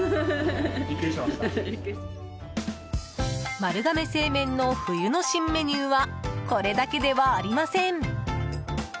丸亀製麺の冬の新メニューはこれだけではありません。